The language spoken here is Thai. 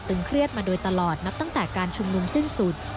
เครียดมาโดยตลอดนับตั้งแต่การชุมนุมสิ้นสุด